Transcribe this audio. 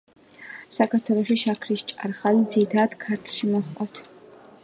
საქართველოში შაქრის ჭარხალი ძირითადად ქართლში მოჰყავთ.